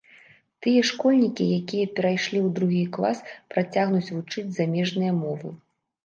Тыя школьнікі, якія перайшлі ў другі клас, працягнуць вучыць замежныя мовы.